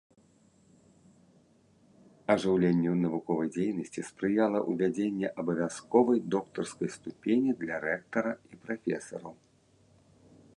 Ажыўленню навуковай дзейнасці спрыяла ўвядзенне абавязковай доктарскай ступені для рэктара і прафесараў.